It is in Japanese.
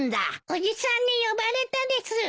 おじさんに呼ばれたです。